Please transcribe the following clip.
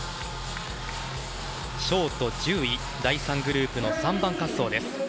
ショート１０位第３グループの３番滑走です。